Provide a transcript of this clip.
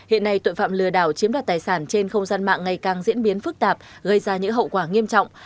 hiện nay tội phạm lừa đảo chiếm đoạt tài sản trên không gian mạng ngày càng diễn biến phức tạp gây ra những hậu quả nghiêm trọng